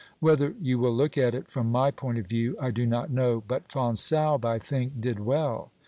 Whether you will look at it from my point of view I do not know, but Fonsalbe, I think, did well.